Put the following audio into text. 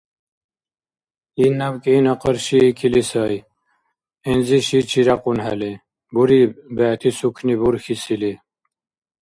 Ил наб кӀина къаршиикили сай, гӀинзи шичи рякьунхӀели. Буриб, бегӀти сукни бурхьис или.